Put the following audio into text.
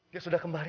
dia sudah kembali